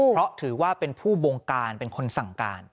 เพราะถือว่าเป็นผู้บงการเป็นคนสั่งการ